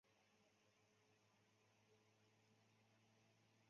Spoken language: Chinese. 卡特是位于美国亚利桑那州希拉县的一个人口普查指定地区。